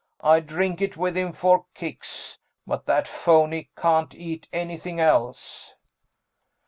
I drink it with him for kicks, but that phony can't eat anything else."